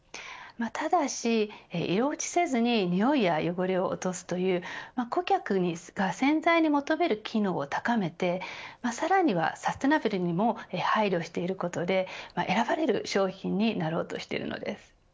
ただし、色落ちせずににおいや汚れを落とすという顧客が洗剤に求める機能を高めてさらにはサステナブルにも配慮していることで選ばれる商品になろうとしているんです。